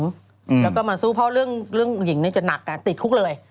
แล้วก็มาสู้เพราะเรื่องเรื่องหญิงนี่จะหนักกันติดคุกเลย